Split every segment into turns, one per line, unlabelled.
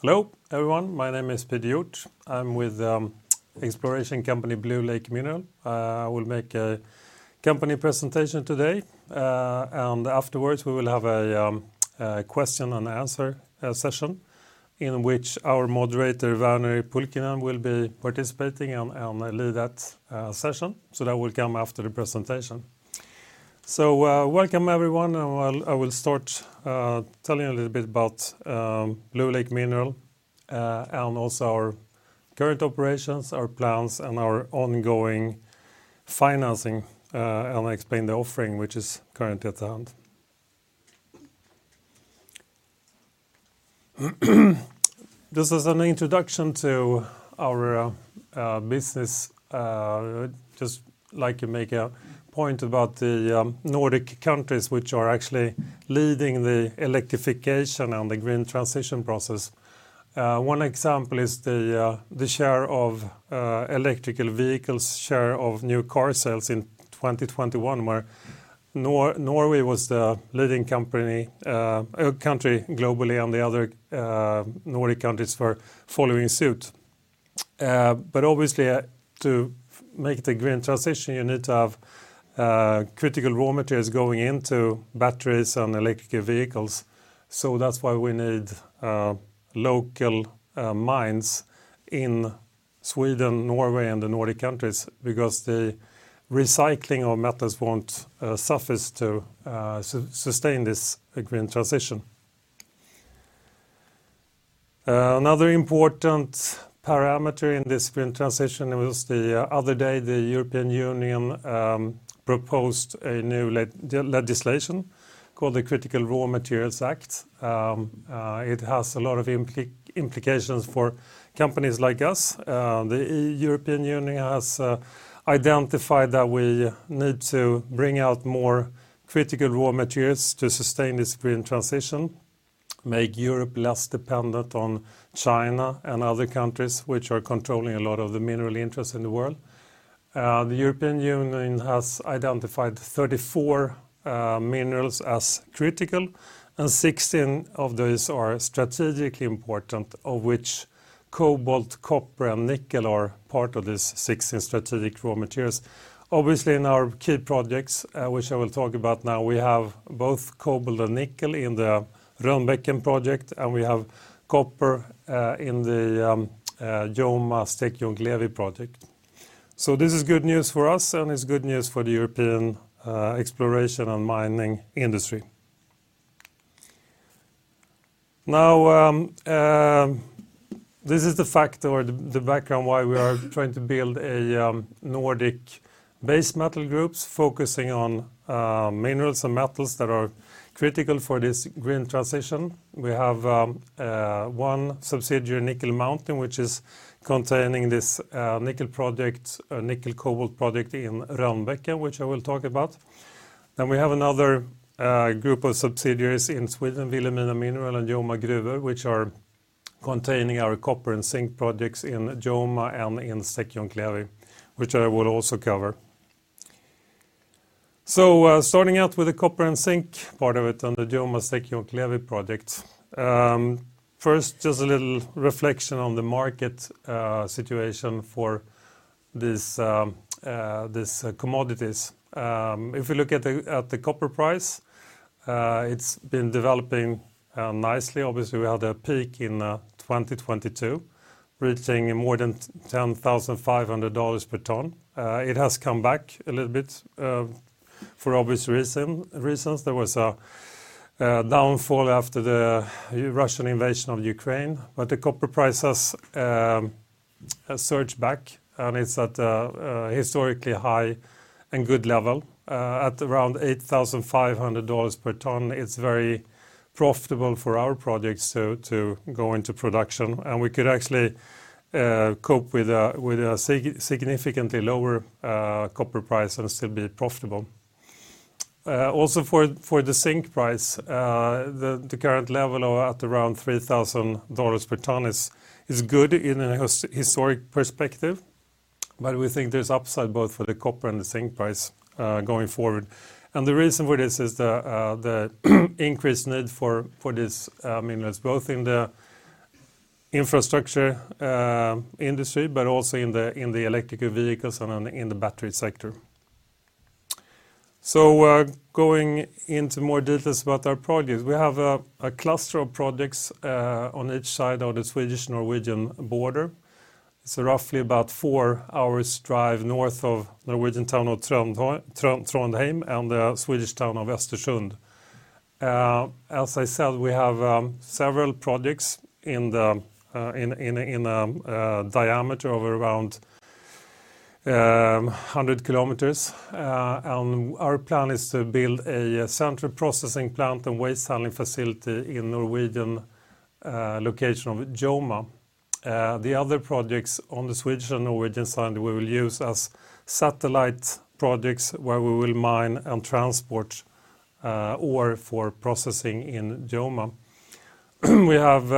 Hello, everyone. My name is Peter Hjorth. I'm with exploration company Bluelake Mineral. I will make a company presentation today. Afterwards, we will have a question and answer session in which our moderator, Verneri Pulkkinen, will be participating and lead that session. That will come after the presentation. Welcome everyone, and I will start telling you a little bit about Bluelake Mineral and also our current operations, our plans, and our ongoing financing and explain the offering which is currently at hand. This is an introduction to our business. Just like to make a point about the Nordic countries which are actually leading the electrification and the green transition process. One example is the share of electrical vehicles share of new car sales in 2021 where Norway was the leading country globally and the other Nordic countries were following suit. Obviously, to make the green transition, you need to have critical raw materials going into batteries and electrical vehicles, so that's why we need local mines in Sweden, Norway, and the Nordic countries because the recycling of metals won't suffice to sustain this green transition. Another important parameter in this green transition was the other day, the European Union proposed a new legislation called the Critical Raw Materials Act. It has a lot of implications for companies like us. The European Union has identified that we need to bring out more critical raw materials to sustain this green transition, make Europe less dependent on China and other countries which are controlling a lot of the mineral interests in the world. The European Union has identified 34 minerals as critical, and 16 of those are strategically important, of which cobalt, copper, and nickel are part of these 16 strategic raw materials. Obviously, in our key projects, which I will talk about now, we have both cobalt and nickel in the Rönnbäcken project, and we have copper in the Joma-Stekenjokk-Levi project. This is good news for us, and it's good news for the European exploration and mining industry. Now, this is the fact or the background why we are trying to build a Nordic-based metal groups focusing on minerals and metals that are critical for this green transition. We have one subsidiary, Nickel Mountain, which is containing this nickel project, nickel-cobalt project in Rönnbäcken, which I will talk about. Then we have another group of subsidiaries in Sweden, Vilhelmina Mineral and Joma Gruver, which are containing our copper and zinc projects in Joma and in Stekenjokk-Levi, which I will also cover. Starting out with the copper and zinc part of it on the Joma-Stekenjokk-Levi project. First, just a little reflection on the market situation for these commodities. If you look at the copper price, it's been developing nicely. Obviously, we had a peak in 2022, reaching more than $10,500 per ton. It has come back a little bit for obvious reasons. There was a downfall after the Russian invasion of Ukraine. The copper price has surged back, and it's at a historically high and good level at around $8,500 per ton. It's very profitable for our projects so to go into production, and we could actually cope with a significantly lower copper price and still be profitable. Also for the zinc price, the current level of at around $3,000 per ton is good in a historic perspective, but we think there's upside both for the copper and the zinc price going forward. The reason for this is the increased need for this minerals, both in the infrastructure industry, but also in the electrical vehicles and in the battery sector. Going into more details about our projects. We have a cluster of projects on each side of the Swedish-Norwegian border. It's roughly about 4 hours drive north of Norwegian town of Trondheim and the Swedish town of Östersund. As I said, we have several projects in a diameter of around 100 km. Our plan is to build a central processing plant and waste handling facility in Norwegian location of Joma. The other projects on the Swedish and Norwegian side, we will use as satellite projects where we will mine and transport ore for processing in Joma. We have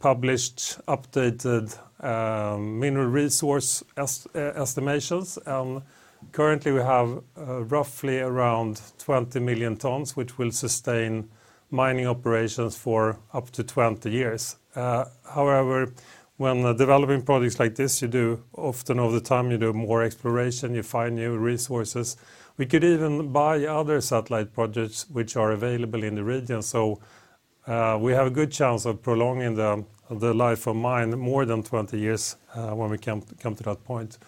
published updated mineral resource estimates. Currently we have roughly around 20 million tons, which will sustain mining operations for up to 20 years. However, when developing projects like this, you do often all the time, you do more exploration, you find new resources. We could even buy other satellite projects which are available in the region. We have a good chance of prolonging the life of mine more than 20 years when we come to that point.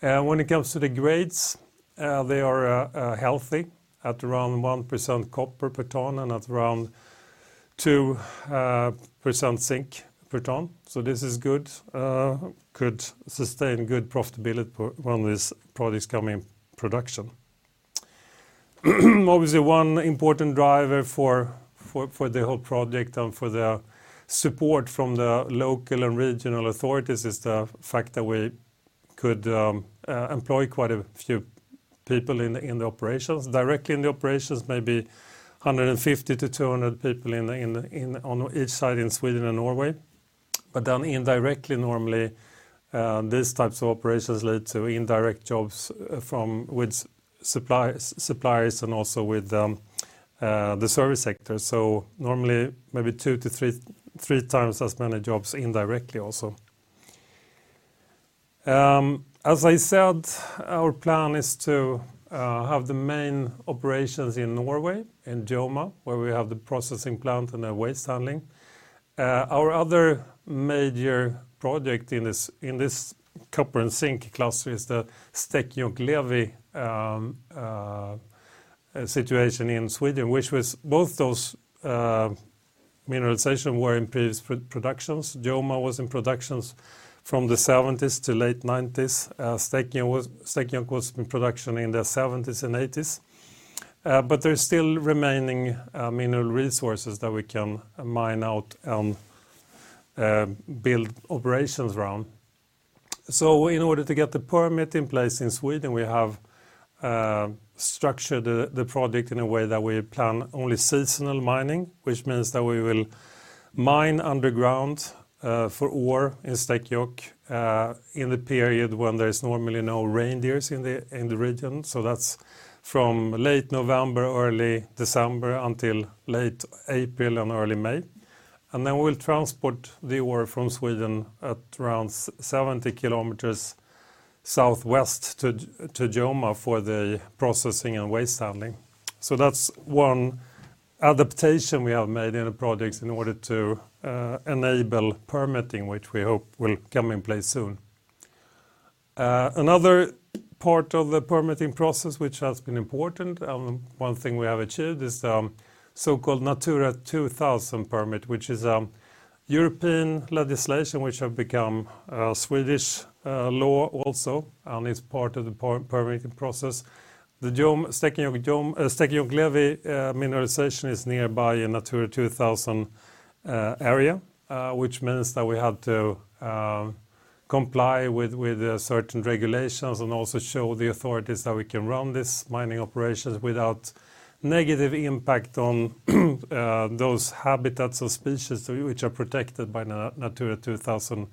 When it comes to the grades, they are healthy at around 1% copper per ton and at around 2% zinc per ton. This is good. Could sustain good profitability for when this product come in production. Obviously, one important driver for the whole project and for the support from the local and regional authorities is the fact that we could employ quite a few people in the operations. Directly in the operations, maybe 150-200 people on each side in Sweden and Norway. Indirectly, normally, these types of operations lead to indirect jobs from with suppliers and also with the service sector. Normally maybe two to three times as many jobs indirectly also. As I said, our plan is to have the main operations in Norway, in Joma, where we have the processing plant and the waste handling. Our other major project in this, in this copper and zinc class is the Stekenjokk-Levi situation in Sweden, which was both those mineralization were in previous productions. Joma was in productions from the 1970s to late 1990s. Stekenjokk was in production in the 1970s and 1980s. But there's still remaining mineral resources that we can mine out and build operations around. In order to get the permit in place in Sweden, we have structured the project in a way that we plan only seasonal mining, which means that we will mine underground for ore in Stekenjokk in the period when there is normally no reindeers in the region. That's from late November, early December until late April and early May. Then we'll transport the ore from Sweden at around 70 km southwest to Joma for the processing and waste handling. That's one adaptation we have made in the projects in order to enable permitting, which we hope will come in place soon. Another part of the permitting process which has been important, and one thing we have achieved is the so-called Natura 2000 permit, which is European legislation, which have become Swedish law also, and it's part of the permitting process. The Stekenjokk-Levi mineralization is nearby in Natura 2000 area, which means that we have to comply with certain regulations and also show the authorities that we can run these mining operations without negative impact on those habitats or species which are protected by Natura 2000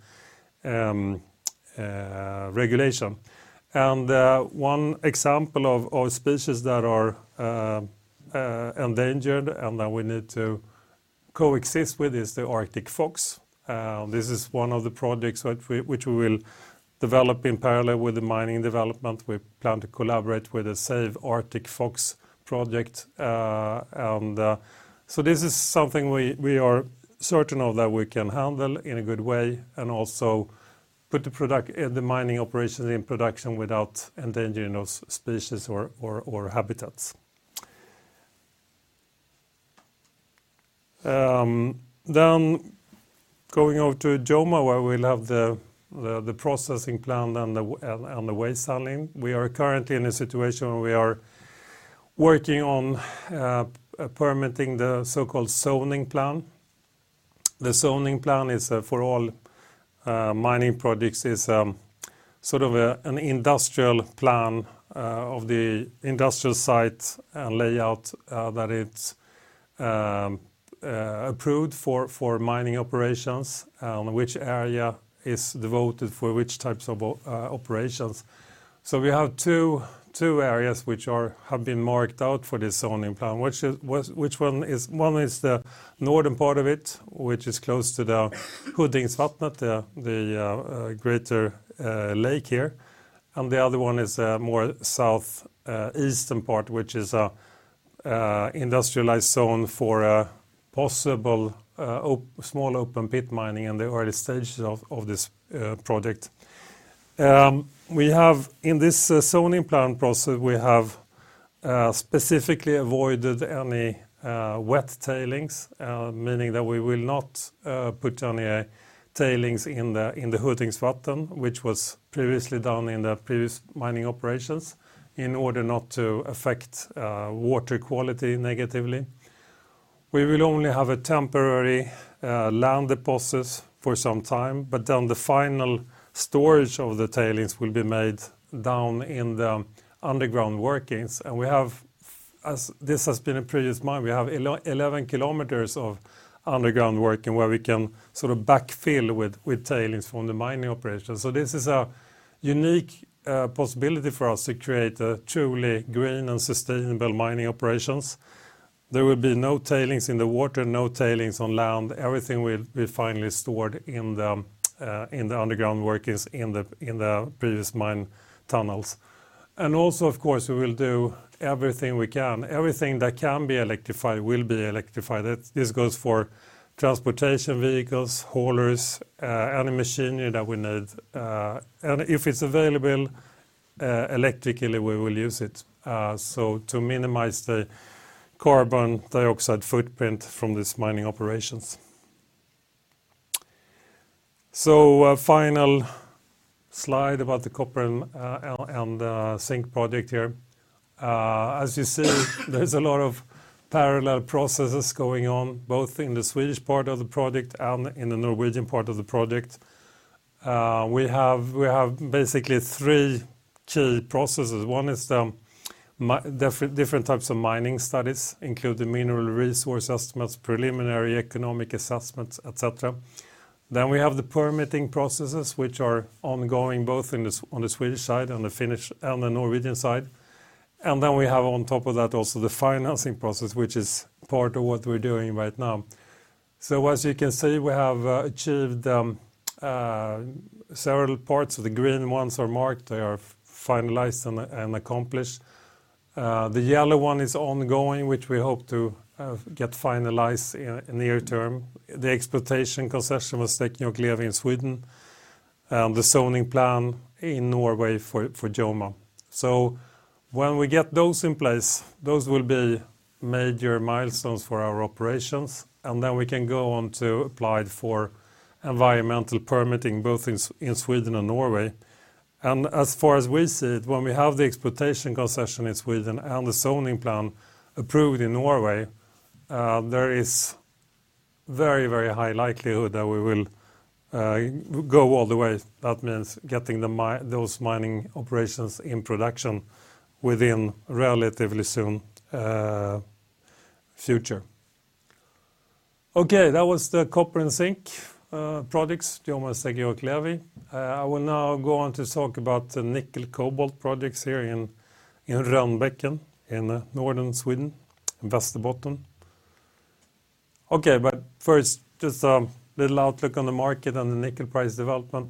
regulation. One example of species that are endangered and that we need to coexist with is the Arctic fox. This is one of the projects which we will develop in parallel with the mining development. We plan to collaborate with the Save Arctic Fox project, this is something we are certain of that we can handle in a good way and also put the mining operations in production without endangering those species or habitats. Going over to Joma, where we'll have the processing plant and the waste handling. We are currently in a situation where we are working on permitting the so-called zoning plan. The zoning plan is for all mining projects, is sort of an industrial plan of the industrial site and layout that it's approved for mining operations on which area is devoted for which types of operations. We have two areas have been marked out for this zoning plan, which one is the northern part of it, which is close to the Huttingsvatnet, the greater lake here, and the other one is more south eastern part, which is industrialized zone for a possible small open pit mining in the early stages of this project. We have in this zoning plan process, we have specifically avoided any wet tailings, meaning that we will not put any tailings in the Huttingsvatnet, which was previously done in the previous mining operations in order not to affect water quality negatively. We will only have a temporary land deposits for some time, but then the final storage of the tailings will be made down in the underground workings. As this has been a previous mine, we have 11 km of underground working where we can sort of backfill with tailings from the mining operation. This is a unique possibility for us to create a truly green and sustainable mining operations. There will be no tailings in the water, no tailings on land. Everything will be finally stored in the underground workings in the previous mine tunnels. Also, of course, we will do everything we can. Everything that can be electrified will be electrified. This goes for transportation vehicles, haulers, any machinery that we need. If it's available electrically, we will use it so to minimize the carbon dioxide footprint from these mining operations. A final slide about the copper and zinc project here. As you see, there's a lot of parallel processes going on, both in the Swedish part of the project and in the Norwegian part of the project. We have basically three key processes. One is the different types of mining studies, including mineral resource estimates, preliminary economic assessments, et cetera. We have the permitting processes, which are ongoing both on the Swedish side and the Finnish and the Norwegian side. We have on top of that also the financing process, which is part of what we're doing right now. As you can see, we have achieved several parts. The green ones are marked. They are finalized and accomplished. The yellow one is ongoing, which we hope to get finalized in near term. The exploitation concession with Stekenjokk-Levi in Sweden, and the zoning plan in Norway for Joma. When we get those in place, those will be major milestones for our operations, and then we can go on to apply for environmental permitting both in Sweden and Norway. As far as we see it, when we have the exploitation concession in Sweden and the zoning plan approved in Norway, there is very, very high likelihood that we will go all the way. That means getting those mining operations in production within relatively soon future. Okay. That was the copper and zinc projects, Joma, Stekenjokk and Levi. I will now go on to talk about the nickel cobalt projects here in Rönnbäcken in northern Sweden, Västerbotten. First, just a little outlook on the market and the nickel price development.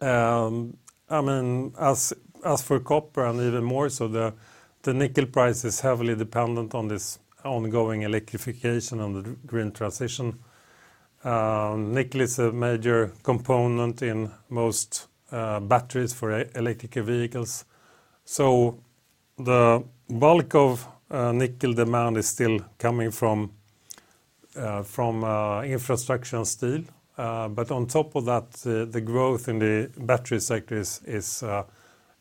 I mean, as for copper and even more so the nickel price is heavily dependent on this ongoing electrification on the green transition. Nickel is a major component in most batteries for electric vehicles. The bulk of nickel demand is still coming from infrastructure and steel. On top of that, the growth in the battery sector is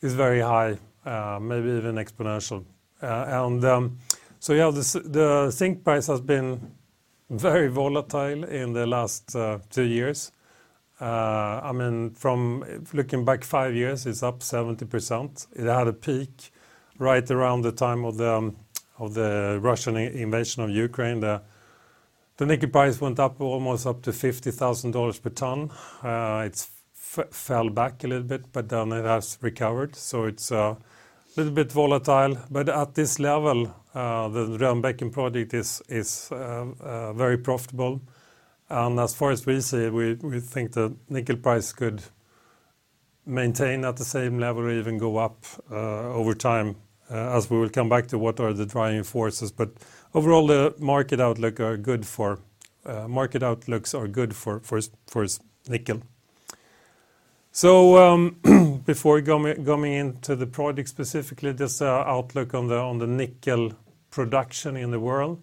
very high, maybe even exponential. The zinc price has been very volatile in the last two years. From looking back five years, it's up 70%. It had a peak right around the time of the Russian invasion of Ukraine. The nickel price went up almost up to $50,000 per ton. It fell back a little bit, it has recovered. It's a little bit volatile. At this level, the Rönnbäcken project is very profitable. As far as we see, we think the nickel price could maintain at the same level or even go up over time as we will come back to what are the driving forces. Overall, the market outlooks are good for nickel. Before going into the project specifically, just outlook on the nickel production in the world.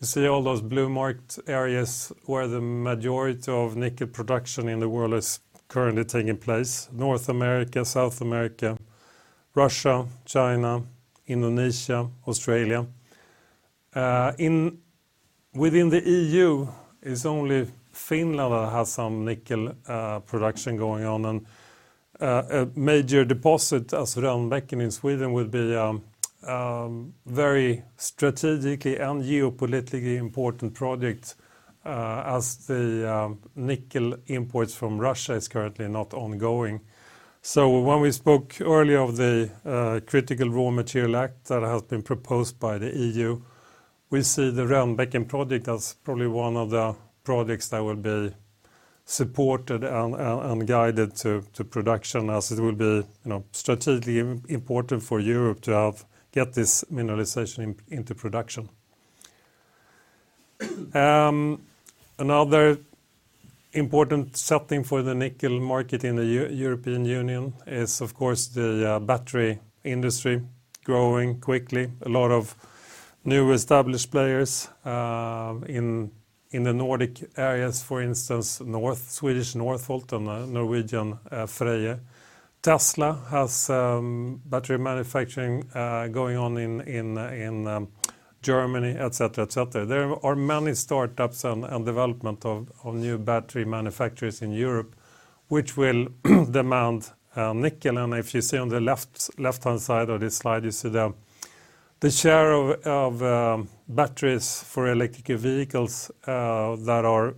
You see all those blue marked areas where the majority of nickel production in the world is currently taking place, North America, South America, Russia, China, Indonesia, Australia. In within the EU, it's only Finland that has some nickel production going on and a major deposit as Rönnbäcken in Sweden would be very strategically and geopolitically important project as the nickel imports from Russia is currently not ongoing. When we spoke earlier of the Critical Raw Materials Act that has been proposed by the EU, we see the Rönnbäcken project as probably one of the projects that will be supported and guided to production as it will be strategically important for Europe to get this mineralization into production. Another important something for the nickel market in the European Union is, of course, the battery industry growing quickly. A lot of new established players in the Nordic areas, for instance, Swedish Northvolt and Norwegian FREYR. Tesla has battery manufacturing going on in German et cetera. There are many startups and development of new battery manufacturers in Europe. Which will demand nickel. If you see on the left-hand side of this slide, you see the share of batteries for electric vehicles that are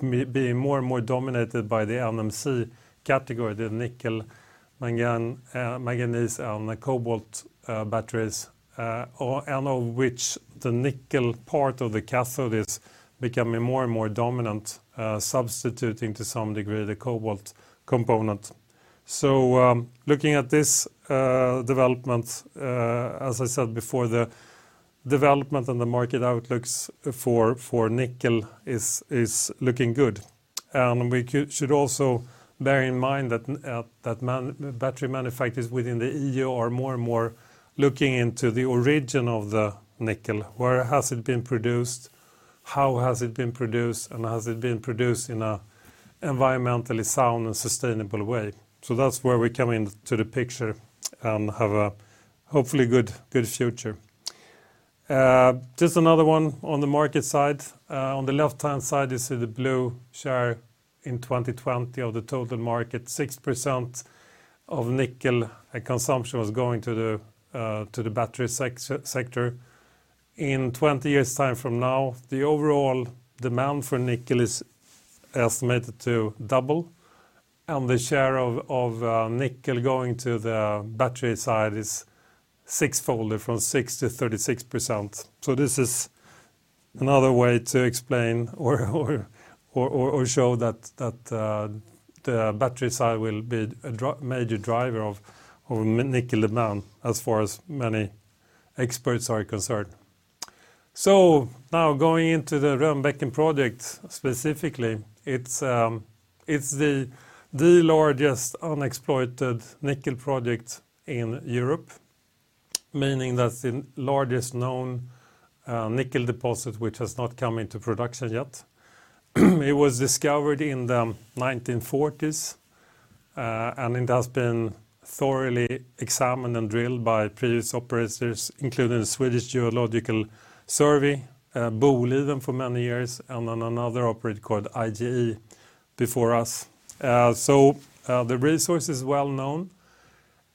being more and more dominated by the NMC category, the nickel, manganese and the cobalt batteries. Of which the nickel part of the cathode is becoming more and more dominant, substituting to some degree the cobalt component. Looking at this development, as I said before, the development and the market outlooks for nickel is looking good. We should also bear in mind that battery manufacturers within the EU are more and more looking into the origin of the nickel. Where has it been produced, how has it been produced, and has it been produced in a environmentally sound and sustainable way? That's where we come into the picture and have a hopefully good future. Just another one on the market side. On the left-hand side, you see the blue share in 2020 of the total market. 6% of nickel consumption was going to the battery sector. In 20 years' time from now, the overall demand for nickel is estimated to double, and the share of nickel going to the battery side is sixfold from 6% to 36%. This is another way to explain or show that the battery side will be a major driver of nickel demand as far as many experts are concerned. Now going into the Rönnbäcken project specifically, it's the largest unexploited nickel project in Europe, meaning that's the largest known nickel deposit which has not come into production yet. It was discovered in the 1940s, it has been thoroughly examined and drilled by previous operators, including the Geological Survey of Sweden, Boliden for many years, and another operator called IGE before us. The resource is well known,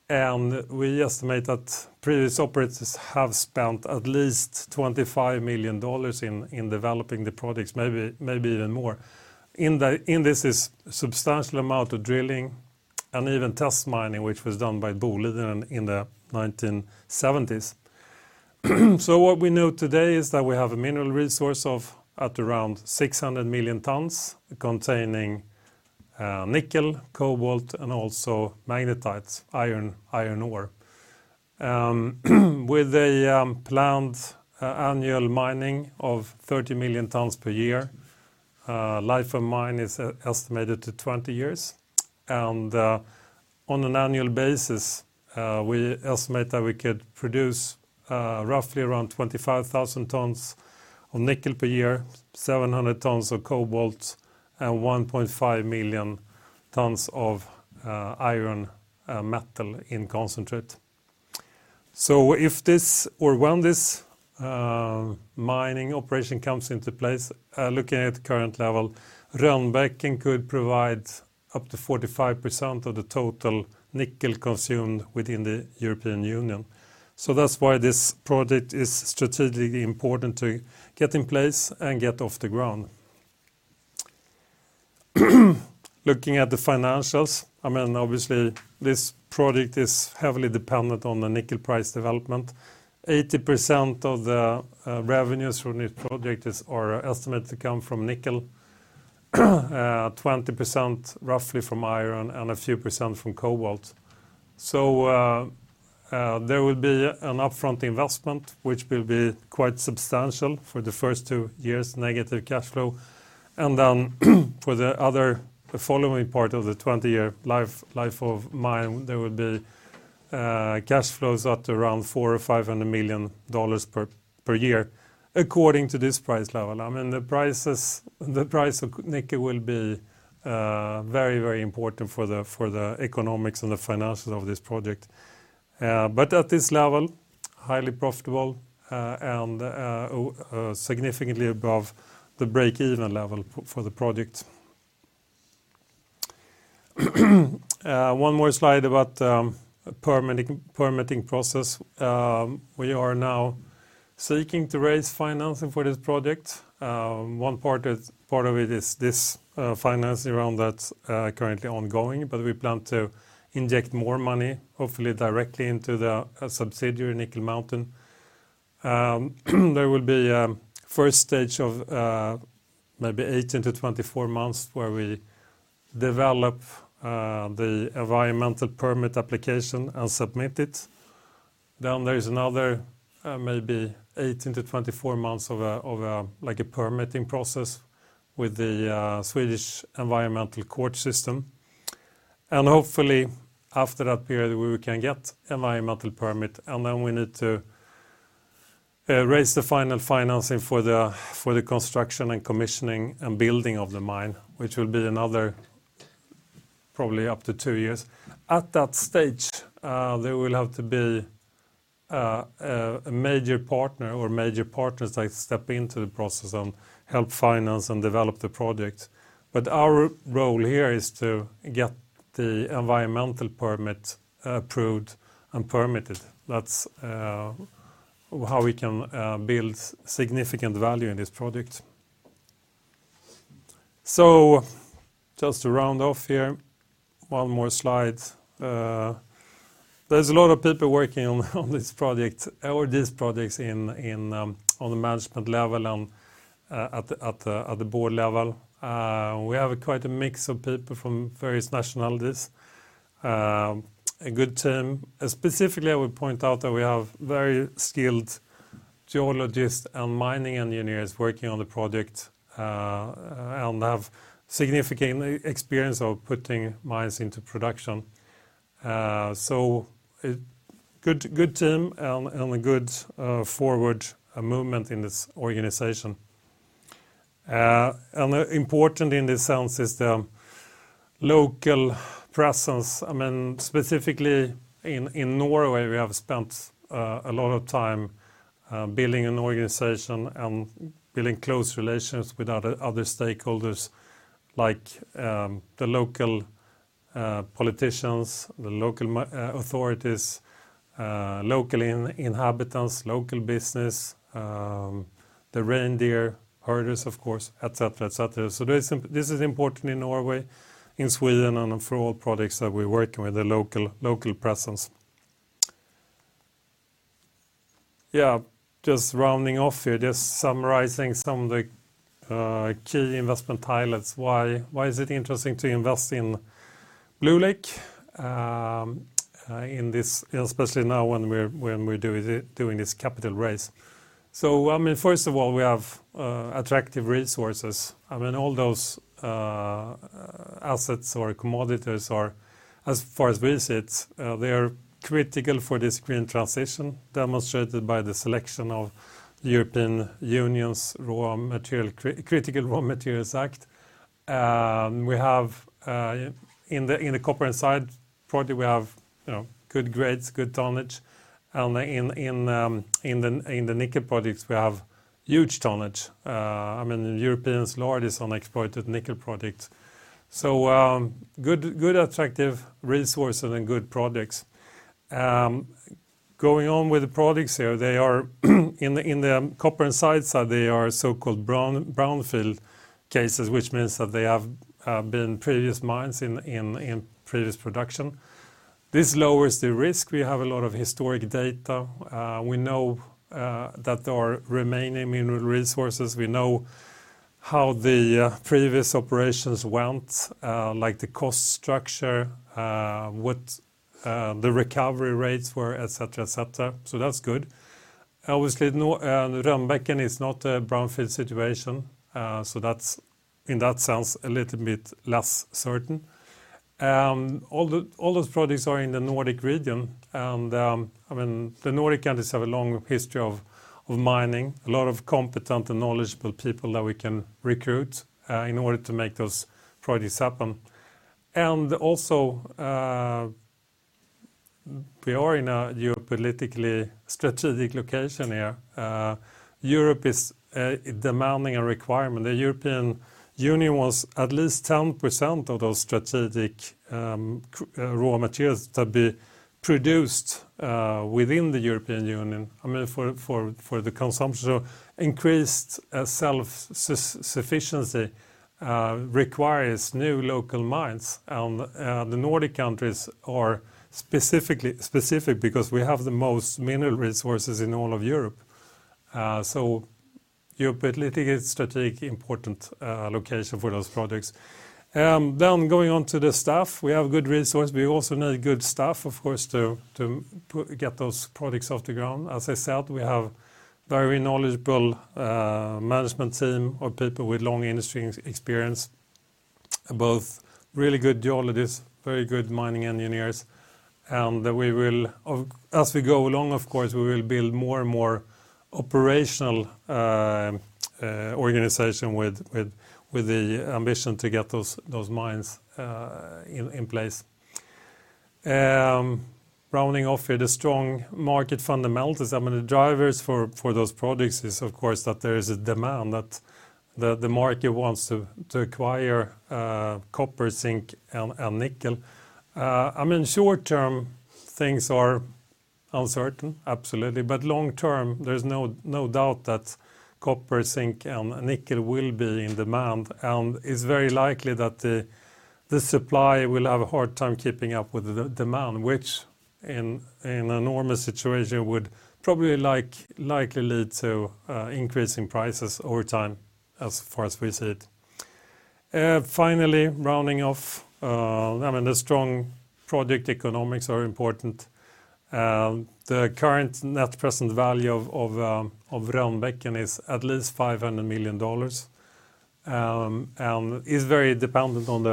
and we estimate that previous operators have spent at least $25 million in developing the projects, maybe even more. This is substantial amount of drilling and even test mining, which was done by Boliden in the 1970s. What we know today is that we have a mineral resource of at around 600 million tons containing nickel, cobalt, and also magnetite iron ore. With a planned annual mining of 30 million tons per year, life of mine is estimated to 20 years. On an annual basis, we estimate that we could produce roughly around 25,000 tons of nickel per year, 700 tons of cobalt, and 1.5 million tons of iron metal in concentrate. If this or when this mining operation comes into place, looking at current level, Rönnbäcken could provide up to 45% of the total nickel consumed within the European Union. That's why this project is strategically important to get in place and get off the ground. Looking at the financials, I mean, obviously this project is heavily dependent on the nickel price development. 80% of the revenues from this project are estimated to come from nickel, 20% roughly from iron, and a few percent from cobalt. There will be an upfront investment which will be quite substantial for the first two years, negative cash flow. For the other following part of the 20-year life of mine, there will be cash flows at around $400 million-$500 million per year according to this price level. I mean, the price of nickel will be very, very important for the economics and the finances of this project. At this level, highly profitable, and significantly above the break-even level for the project. One more slide about permitting process. We are now seeking to raise financing for this project. One part is, part of it is this financing round that's currently ongoing. We plan to inject more money, hopefully directly into the subsidiary, Nickel Mountain. There will be first stage of maybe 18-24 months where we develop the environmental permit application and submit it. There is another maybe 18-24 months of like, a permitting process with the Swedish environmental court system. Hopefully, after that period, we can get environmental permit, and then we need to raise the final financing for the construction and commissioning and building of the mine, which will be another probably up to two years. At that stage, there will have to be a major partner or major partners that step into the process and help finance and develop the project. Our role here is to get the environmental permit approved and permitted. That's how we can build significant value in this project. Just to round off here, one more slide. There's a lot of people working on this project or these projects in on the management level and at the board level. We have quite a mix of people from various nationalities, a good team. Specifically, I would point out that we have very skilled geologists and mining engineers working on the project and have significant experience of putting mines into production. A good team and a good forward movement in this organization. Important in this sense is the local presence. I mean, specifically in Norway, we have spent a lot of time building an organization and building close relations with other stakeholders like the local politicians, the local authorities, local inhabitants, local business, the reindeer herders of course, et cetera. This is important in Norway, in Sweden, and for all products that we're working with the local presence. Yeah, just rounding off here, just summarizing some of the key investment highlights. Why is it interesting to invest in Bluelake Mineral in this, especially now when we're doing this capital raise? I mean, first of all, we have attractive resources. I mean, all those assets or commodities are as far as we see it, they're critical for this green transition, demonstrated by the selection of the European Union's Critical Raw Materials Act. We have in the copper and side project, we have, you know, good grades, good tonnage. In the nickel projects, we have huge tonnage, Europe's largest unexploited nickel project. Good attractive resources and good products. Going on with the products here, they are in the copper and side, they are so-called brownfield cases, which means that they have been previous mines in previous production. This lowers the risk. We have a lot of historic data. We know that there are remaining mineral resources. We know how the previous operations went, like the cost structure, what the recovery rates were, et cetera, et cetera. So that's good. Obviously, Rönnbäcken is not a brownfield situation. That's in that sense, a little bit less certain. All the, all those products are in the Nordic region. I mean, the Nordic countries have a long history of mining, a lot of competent and knowledgeable people that we can recruit in order to make those projects happen. Also, we are in a geopolitically strategic location here. Europe is demanding a requirement. The European Union wants at least 10% of those strategic raw materials to be produced within the European Union, for the consumption. Increased self-sufficiency requires new local mines. The Nordic countries are specifically specific because we have the most mineral resources in all of Europe. Geopolitically strategic important location for those projects. Going on to the staff, we have good resource. We also need good staff, of course, to get those products off the ground. As I said, we have very knowledgeable management team of people with long industry experience, both really good geologists, very good mining engineers. We will as we go along, of course, we will build more and more operational organization with the ambition to get those mines in place. Rounding off here, the strong market fundamentals. I mean, the drivers for those products is of course, that there is a demand that the market wants to acquire copper, zinc and nickel. Short term things are uncertain, absolutely. Long term, there's no doubt that copper, zinc, and nickel will be in demand. It's very likely that the supply will have a hard time keeping up with the demand, which in a normal situation, would probably likely lead to increase in prices over time as far as we see it. Finally, rounding off, I mean, the strong project economics are important. The current net present value of Rönnbäcken is at least $500 million and is very dependent on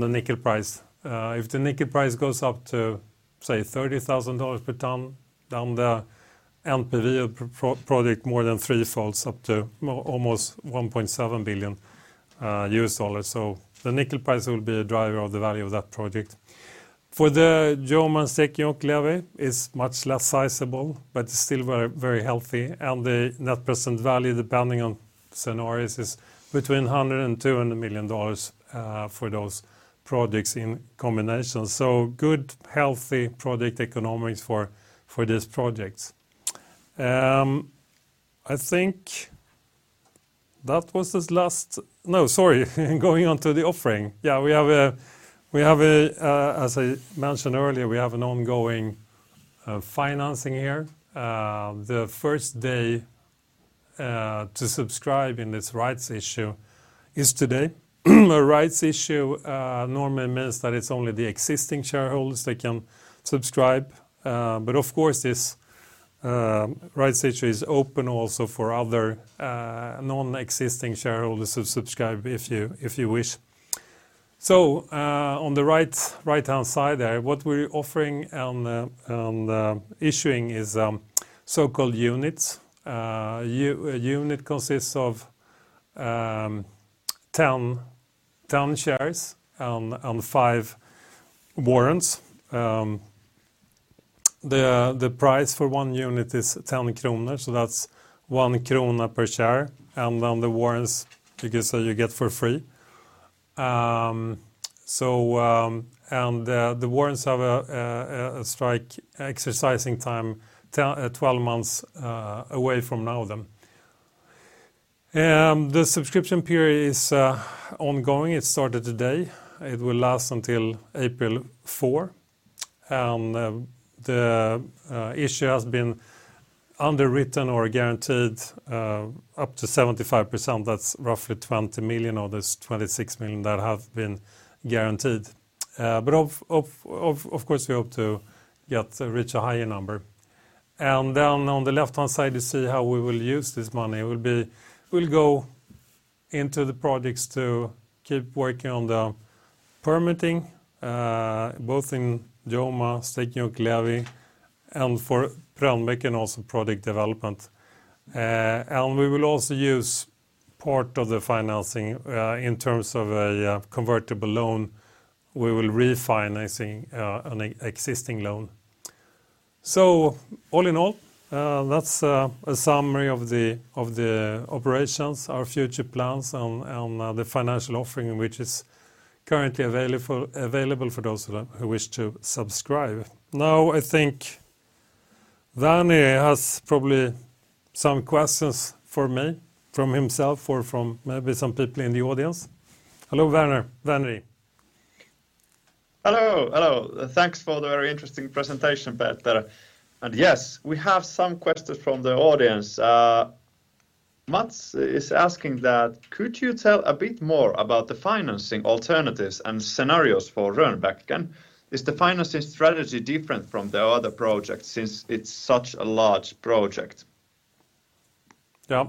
the nickel price. If the nickel price goes up to, say, $30,000 per ton down there. NPV of project more than threefolds up to almost $1.7 billion. The nickel price will be a driver of the value of that project. For the Joma-Stekenjokk-Levi, is much less sizable but still very healthy. The net present value, depending on scenarios, is between $100 million and $200 million for those projects in combination. Good, healthy project economics for these projects. No, sorry. Going on to the offering. Yeah, we have, as I mentioned earlier, we have an ongoing financing here. The first day to subscribe in this rights issue is today. A rights issue normally means that it's only the existing shareholders that can subscribe. Of course this rights issue is open also for other non-existing shareholders to subscribe if you wish. On the right-hand side there, what we're offering and issuing is so-called units. A unit consists of 10 shares and five warrants. The price for one unit is 10 kronor, so that's 1 krona per share, and then the warrants you get, so you get for free. The warrants have a strike exercising time 12 months away from now then. The subscription period is ongoing. It started today. It will last until April 4. The issue has been underwritten or guaranteed up to 75%, that's roughly 20 million of this 26 million that have been guaranteed. Of course, we hope to get reach a higher number. On the left-hand side, you see how we will use this money. We'll go into the projects to keep working on the permitting, both in Joma, Stekenjokk-Levi, and for Rönnbäcken also product development. We will also use part of the financing in terms of a convertible loan. We will refinancing an existing loan. All in all, that's a summary of the operations, our future plans and the financial offering, which is currently available for those who wish to subscribe. I think Verneri has probably some questions for me from himself or from maybe some people in the audience. Hello, Verneri.
Hello, hello. Thanks for the very interesting presentation, Peter. Yes, we have some questions from the audience. Mats is asking that, "Could you tell a bit more about the financing alternatives and scenarios for Rönnbäcken? Is the financing strategy different from the other projects since it's such a large project?
Yeah.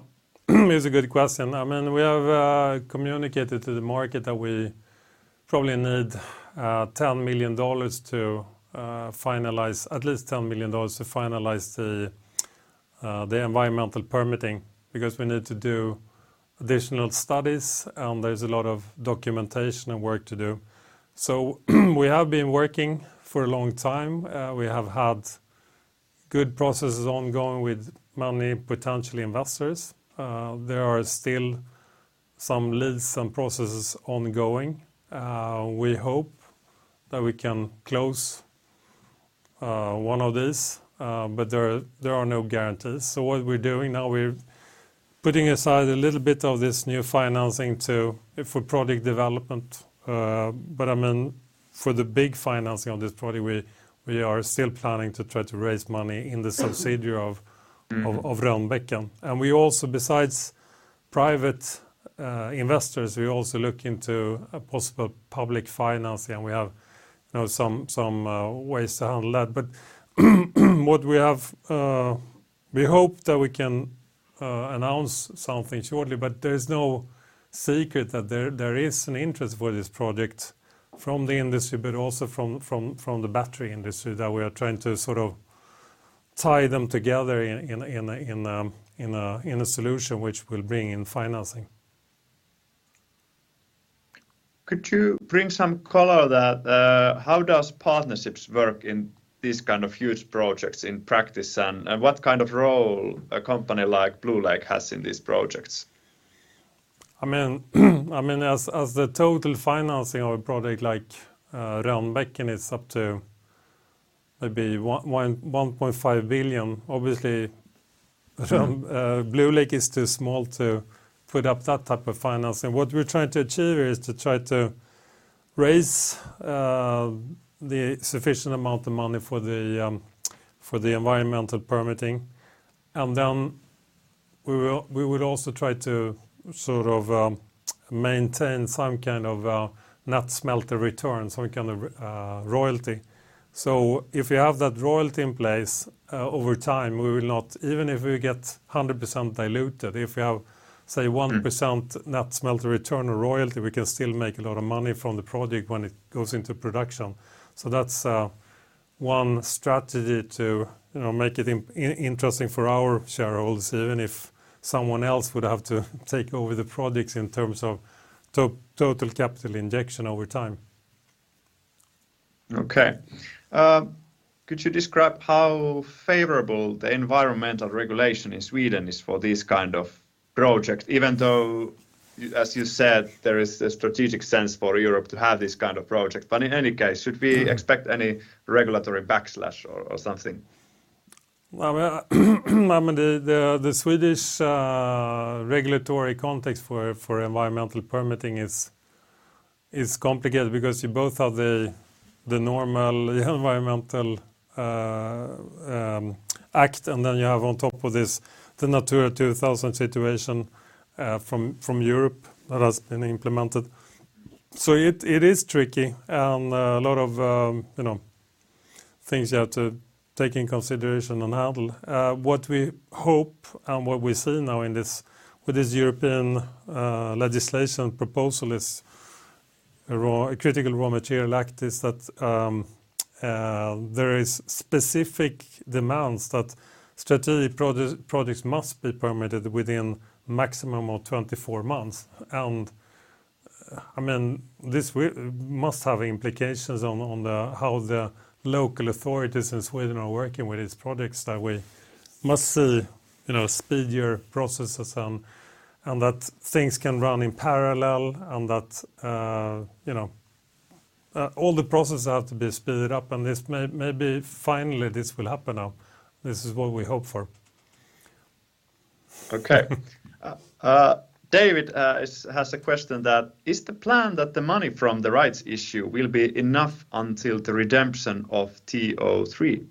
It's a good question. I mean, we have communicated to the market that we probably need at least $10 million to finalize the environmental permitting because we need to do additional studies, and there's a lot of documentation and work to do. We have been working for a long time. We have had good processes ongoing with many potential investors. There are still some leads, some processes ongoing. We hope that we can close one of these, but there are no guarantees. What we're doing now, we're putting aside a little bit of this new financing for product development. I mean, for the big financing on this project, we are still planning to try to raise money in the subsidiary of Rönnbäcken. We also, besides private investors, we also look into a possible public financing, and we have, you know, some ways to handle that. What we have, we hope that we can announce something shortly, but there's no secret that there is an interest for this project from the industry, but also from the battery industry that we are trying to sort of tie them together in a solution which will bring in financing.
Could you bring some color that, how does partnerships work in these kind of huge projects in practice? What kind of role a company like Bluelake has in these projects?
I mean, as the total financing of a project like Rönnbäcken is up to maybe 1.5 billion, obviously from Bluelake is too small to put up that type of financing. What we're trying to achieve is to try to raise the sufficient amount of money for the environmental permitting. We would also try to sort of maintain some kind of net smelter return, some kind of royalty. If we have that royalty in place, over time, we will not, even if we get 100% diluted, if we have, say, 1% net smelter return or royalty, we can still make a lot of money from the project when it goes into production. That's one strategy to, you know, make it interesting for our shareholders, even if someone else would have to take over the projects in terms of total capital injection over time.
Okay. Could you describe how favorable the environmental regulation in Sweden is for these kind of projects, even though, as you said, there is a strategic sense for Europe to have these kind of projects, but in any case should we expect any regulatory backlash or something?
Well, I mean, the Swedish regulatory context for environmental permitting is complicated because you both have the normal environmental act, and then you have on top of this the Natura 2000 situation from Europe that has been implemented. It is tricky and a lot of, you know, things you have to take in consideration and handle. What we hope and what we see now in this, with this European legislation proposal is a Critical Raw Materials Act is that there is specific demands that strategic projects must be permitted within maximum of 24 months. I mean, this will. must have implications on the how the local authorities in Sweden are working with these projects that we must see, you know, speedier processes and that things can run in parallel and that, you know, all the processes have to be speeded up and maybe finally this will happen now. This is what we hope for.
Okay. David has a question that, "Is the plan that the money from the rights issue will be enough until the redemption of TO3?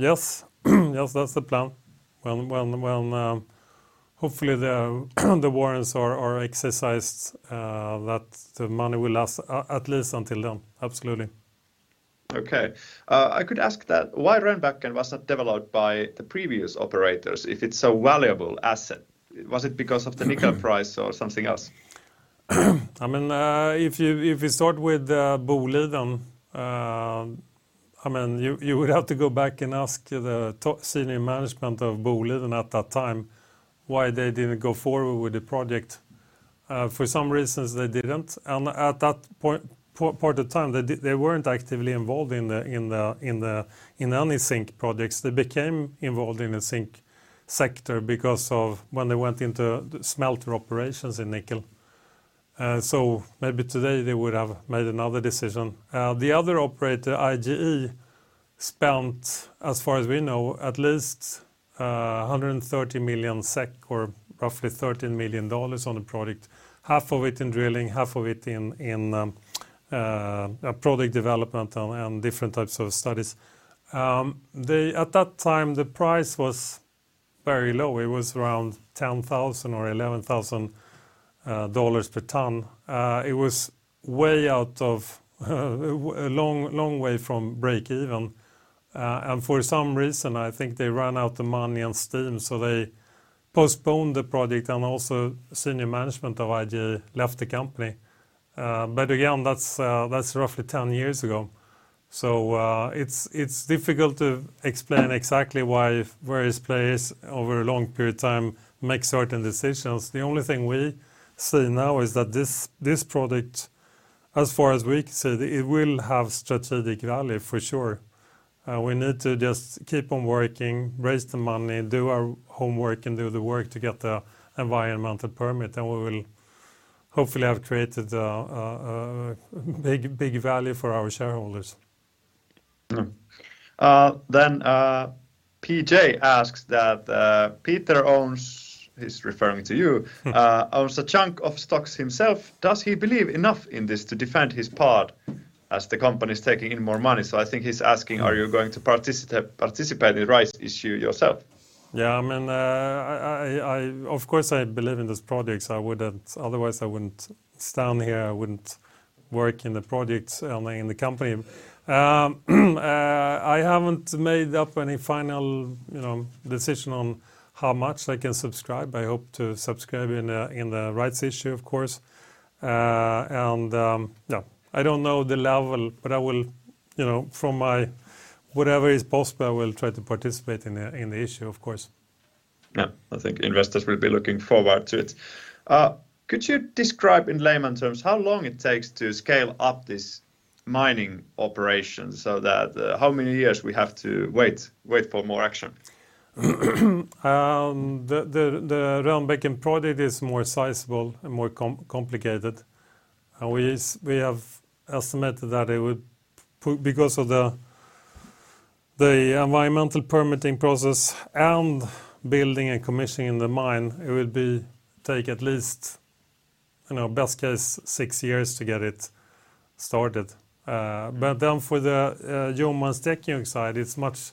Yes. That's the plan. Hopefully the warrants are exercised, that the money will last at least until then. Absolutely.
Okay. I could ask that why Rönnbäcken was not developed by the previous operators if it's so valuable asset. Was it because of the nickel price- or something else?
I mean, if you start with Boliden, I mean, you would have to go back and ask the senior management of Boliden at that time why they didn't go forward with the project. For some reasons they didn't, and at that point of time, they weren't actively involved in any zinc projects. They became involved in the zinc sector because of when they went into smelter operations in nickel. Maybe today they would have made another decision. The other operator, IGE, spent, as far as we know, at least 130 million SEK or roughly $13 million on the project, half of it in drilling, half of it in project development and different types of studies. At that time, the price was very low. It was around $10,000 or $11,000 per ton. It was way out of long way from break even. For some reason, I think they ran out of money and steam, they postponed the project and also senior management of IGE left the company. Again, that's roughly 10 years ago. It's difficult to explain exactly why, if various players over a long period of time make certain decisions. The only thing we see now is that this project, as far as we can see, it will have strategic value for sure. We need to just keep on working, raise the money, do our homework, and do the work to get the environmental permit, and we will hopefully have created a big, big value for our shareholders.
PJ asks that, "Peter owns," he's referring to you, "owns a chunk of stocks himself. Does he believe enough in this to defend his part as the company's taking in more money?" I think he's asking are you going to participate in rights issue yourself?
I mean, of course I believe in this project, so otherwise I wouldn't stand here, I wouldn't work in the project, only in the company. I haven't made up any final, you know, decision on how much I can subscribe. I hope to subscribe in the, in the rights issue, of course. Yeah, I don't know the level, but I will, you know, from my whatever is possible, I will try to participate in the, in the issue of course.
Yeah. I think investors will be looking forward to it. Could you describe in layman terms how long it takes to scale up this mining operation so that how many years we have to wait for more action?
The Rönnbäcken project is more sizable and more complicated. We have estimated that because of the environmental permitting process and building and commissioning the mine, it would take at least, you know, best case, six years to get it started. Then for the Jorma-Stekenjokk side, it's much,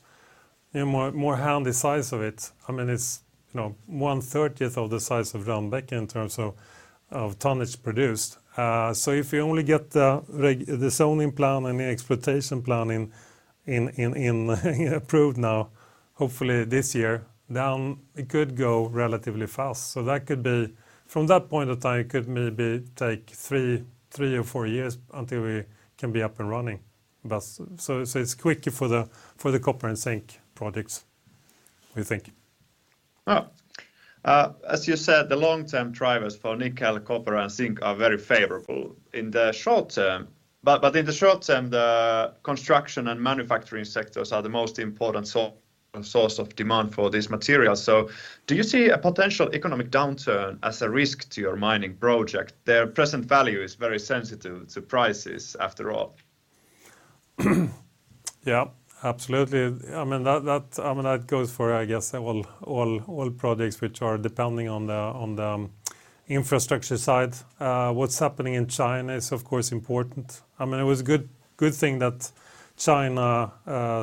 you know, more handy size of it. I mean, it's, you know, one-thirtieth of the size of Rönnbäcken in terms of tonnage produced. If you only get the zoning plan and the exploitation plan in approved Hopefully this year. It could go relatively fast. From that point of time, it could maybe take three or four years until we can be up and running. It's quicker for the copper and zinc projects, we think.
As you said, the long-term drivers for nickel, copper, and zinc are very favorable. In the short term, the construction and manufacturing sectors are the most important source of demand for this material. Do you see a potential economic downturn as a risk to your mining project? Their present value is very sensitive to prices after all.
Yeah, absolutely. I mean, that goes for, I guess, all projects which are depending on the infrastructure side. What's happening in China is, of course, important. I mean, it was a good thing that China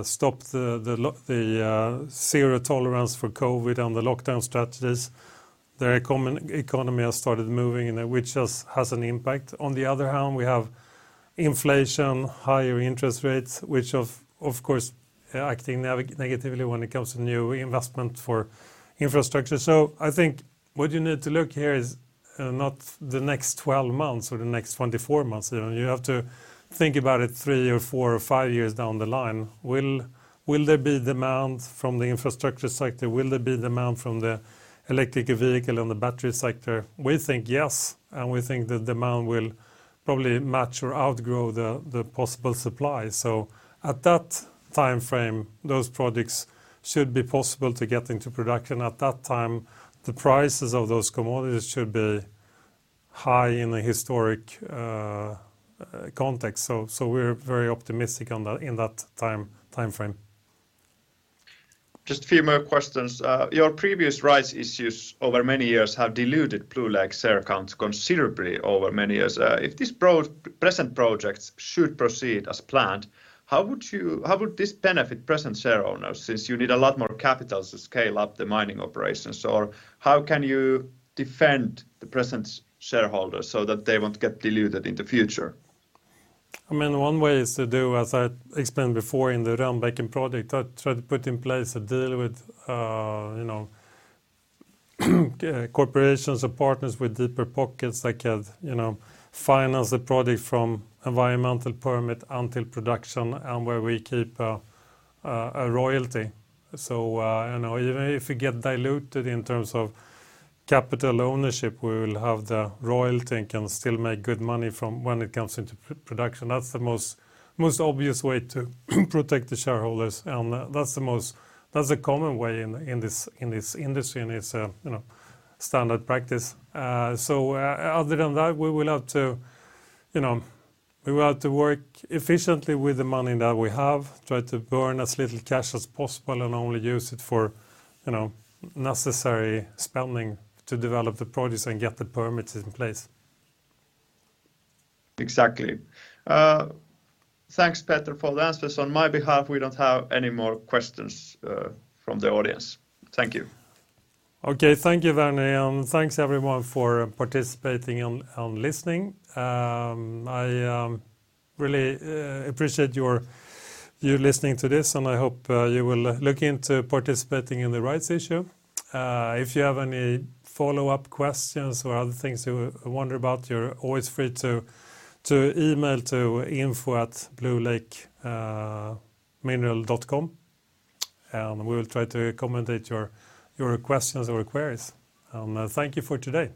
stopped the zero tolerance for COVID and the lockdown strategies. Their eco-economy has started moving and which has an impact. On the other hand, we have inflation, higher interest rates, which of course, acting negatively when it comes to new investment for infrastructure. I think what you need to look here is not the next 12 months or the next 24 months, you know. You have to think about it three, four or five years down the line. Will there be demand from the infrastructure sector? Will there be demand from the electric vehicle and the battery sector? We think yes. We think the demand will probably match or outgrow the possible supply. At that timeframe, those projects should be possible to get into production. At that time, the prices of those commodities should be high in a historic context. We're very optimistic on that timeframe.
Just a few more questions. Your previous rights issues over many years have diluted Bluelake share counts considerably over many years. If these present projects should proceed as planned, how would this benefit present share owners since you need a lot more capital to scale up the mining operations? How can you defend the present shareholders so that they won't get diluted in the future?
I mean, one way is to do, as I explained before in the Rönnbäcken project, I tried to put in place a deal with, you know, corporations or partners with deeper pockets that can, you know, finance the project from environmental permit until production and where we keep a royalty. You know, even if we get diluted in terms of capital ownership, we will have the royalty and can still make good money from when it comes into production. That's the most obvious way to protect the shareholders, and that's the common way in this industry, and it's, you know, standard practice. Other than that, we will have to, you know, we will have to work efficiently with the money that we have, try to burn as little cash as possible and only use it for, you know, necessary spending to develop the projects and get the permits in place.
Exactly. Thanks, Peter, for the answers. On my behalf, we don't have any more questions from the audience. Thank you.
Okay. Thank you, Verneri. Thanks everyone for participating and listening. I really appreciate your, you listening to this, and I hope you will look into participating in the rights issue. If you have any follow-up questions or other things you wonder about, you're always free to email to info@bluelakemineral.com, and we will try to accommodate your questions or queries. Thank you for today.